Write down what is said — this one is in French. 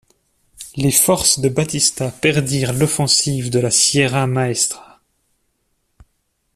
Les forces de Batista perdirent l'offensive de la Sierra Maestra.